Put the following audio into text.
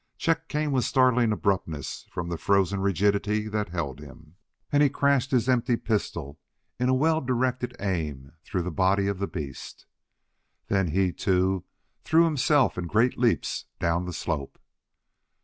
Chet came with startling abruptness from the frozen rigidity that held him, and he crashed his empty pistol in well directed aim through the body of the beast. Then he, too, threw himself in great leaps down the slope.